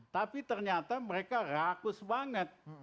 tapi ternyata mereka rakus banget